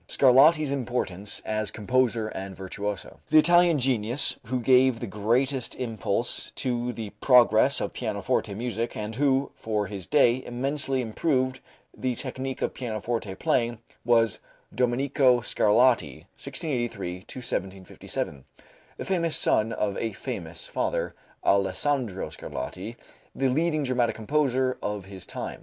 Scarlatti's Importance as Composer and Virtuoso. The Italian genius who gave the greatest impulse to the progress of pianoforte music and who, for his day, immensely improved the technique of pianoforte playing, was Domenico Scarlatti (1683 1757), the famous son of a famous father, Alessandro Scarlatti, the leading dramatic composer of his time.